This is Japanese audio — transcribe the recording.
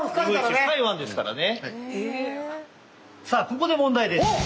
さあここで問題です。